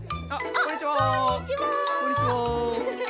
こんにちは。